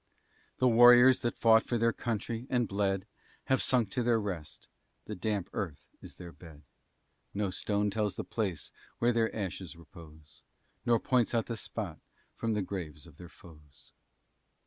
The warriors that fought for their country, and bled, Have sunk to their rest; the damp earth is their bed; No stone tells the place where their ashes repose, Nor points out the spot from the graves of their foes.